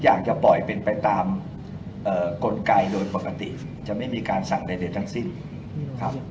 อยากจะปล่อยเป็นไปตามกลไกโดยปกติจะไม่มีการสั่งใดทั้งสิ้นครับ